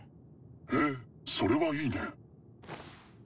へぇそれはいいね。